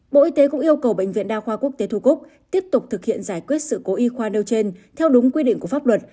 bộ y tế cũng yêu cầu bệnh viện đa khoa quốc tế thu cúc tiếp tục thực hiện giải quyết sự cố y khoa nêu trên theo đúng quy định của pháp luật